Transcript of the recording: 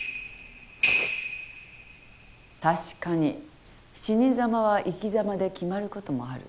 確かに死にざまは生きざまで決まることもある。